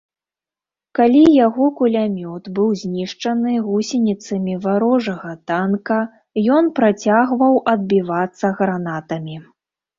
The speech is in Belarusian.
Калі яго кулямёт быў знішчаны гусеніцамі варожага танка, ён працягваў адбівацца гранатамі.